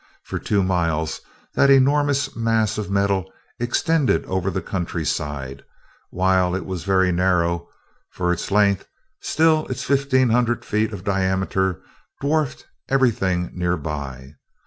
For two miles that enormous mass of metal extended over the country side, and while it was very narrow for its length, still its fifteen hundred feet of diameter dwarfed everything near by.